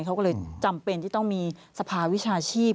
เขาก็เลยจำเป็นที่ต้องมีสภาวิชาชีพ